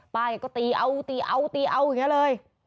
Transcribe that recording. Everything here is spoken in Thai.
ป้าเขาก็ตีเอาอย่างนี้เลย